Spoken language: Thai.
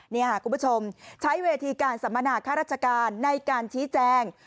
นี่ค่ะคุณผู้ชมใช้เวทีการสัมมนาค่าราชการในการชี้แจง